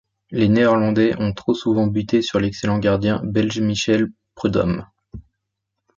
Les néerlandais ont trop souvent butés sur l'excellent gardien belge Michel Preud'homme.